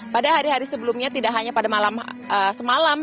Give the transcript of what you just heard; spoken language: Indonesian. pada hari hari sebelumnya tidak hanya pada malam semalam